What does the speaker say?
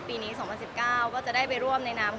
ปีนี้๒๐๑๙ก็จะร่วมไปร่วมในนามแบรนด์